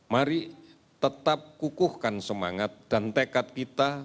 mari tetap kukuhkan semangat dan tekad kita